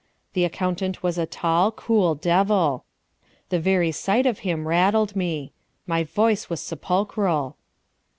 The accountant was a tall, cool devil. The very sight of him rattled me. My voice was sepulchral.